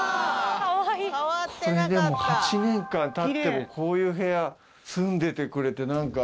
これでも８年間たってもこういう部屋住んでてくれて何か。